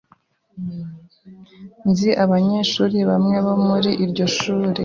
Nzi abanyeshuri bamwe bo muri iryo shuri.